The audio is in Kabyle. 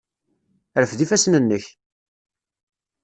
Rfed ifassen-nnek!